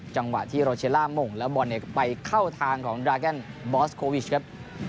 จังหวะที่โรเชลล่าหม่งแล้วบอลไปเข้าทางของดราแกนบอสโควิชครับ